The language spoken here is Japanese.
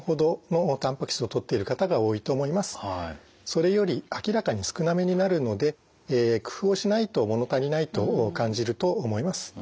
それより明らかに少なめになるので工夫をしないと物足りないと感じると思います。